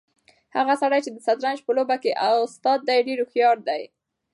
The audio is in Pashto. هغه سړی چې د شطرنج په لوبه کې استاد دی ډېر هوښیار دی.